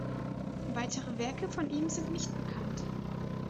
Weitere Werke von ihm sind nicht bekannt.